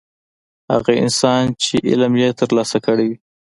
هغه انسان چې علم یې ترلاسه کړی وي.